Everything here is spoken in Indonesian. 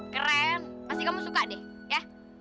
keren pasti kamu suka deh ya